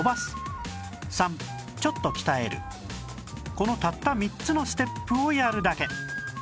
このたった３つのステップをやるだけ